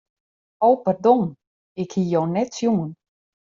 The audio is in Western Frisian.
O pardon, ik hie jo net sjoen.